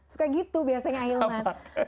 suka gitu biasanya ilman